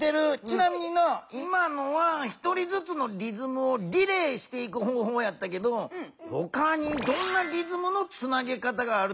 ちなみにな今のは１人ずつのリズムをリレーしていく方ほうやったけどほかにどんなリズムのつなげ方があると思う？